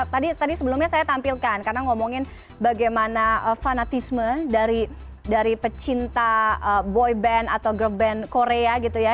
tadi sebelumnya saya tampilkan karena ngomongin bagaimana fanatisme dari pecinta boy band atau girl band korea gitu ya